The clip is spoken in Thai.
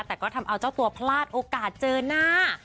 แต่ก็ทำเอาเจ้าตัวพลาดโอกาสเจอหน้า